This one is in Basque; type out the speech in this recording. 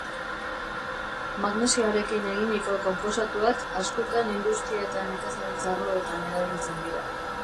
Magnesioarekin eginiko konposatuak askotan industria eta nekazaritza arloetan erabiltzen dira.